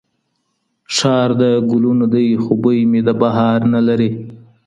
ښار د ګلونو دی خو بوی مي د بهار نه لري